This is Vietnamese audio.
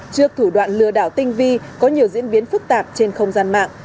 trước thủ đoạn lừa đảo tinh vi có nhiều diễn biến phức tạp trên không gian mạng